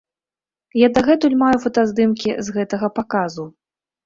Я дагэтуль маю фотаздымкі з гэтага паказу.